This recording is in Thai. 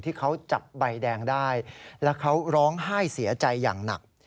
ที่เขาจับใบแดงได้แล้วเขาร้องไห้เสียใจอย่างหนัก